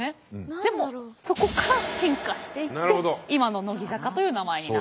でもそこから進化していって今の乃木坂という名前になったんです。